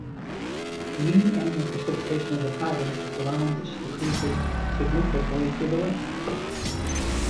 Mean annual precipitation of the province is around which decreases significantly to the west.